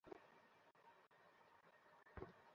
কিন্তু তার বাইরে নতুন কোনো শর্ত বিজেপির কাছে গ্রহণযোগ্য হবে না।